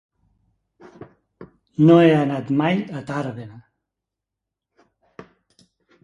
No he anat mai a Tàrbena.